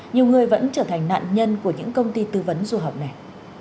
nhiều người vẫn trở thành nạn nhân của những công ty tư vấn du học này